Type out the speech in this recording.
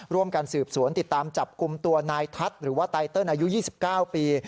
ร่วมกันสืบสวนติดตามจับกลุ่มตัวนายทัศน์หรือว่าไตเติลอายุ๒๙ปี